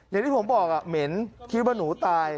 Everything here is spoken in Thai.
อย่างที่ผมบอกเหม็นคิดว่าหนูตาย